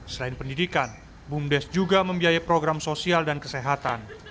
selain pendidikan bumdes juga membiayai program sosial dan kesehatan